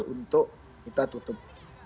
untuk kita tutup